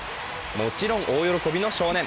もちろん大喜びの少年。